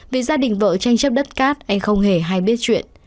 vì gia đình vợ tranh chấp đất cát anh không hề hay biết chuyện